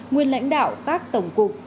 nguyên lãnh đạo các tổng cục